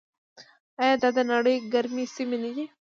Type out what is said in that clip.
آیا دا د نړۍ ګرمې سیمې نه دي؟